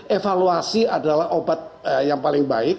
evaluasi adalah obat yang paling baik